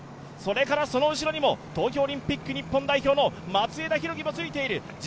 それからその後ろにも東京オリンピック日本代表の松枝博輝もついている。